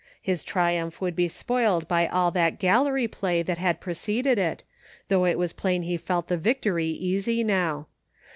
His triumph would be spoiled by all that gallery play that had preceded it, though it was plain he felt the victory easy now.